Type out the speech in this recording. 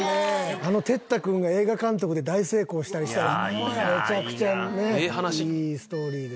あの哲汰君が映画監督で大成功したりしたらめちゃくちゃいいストーリーです。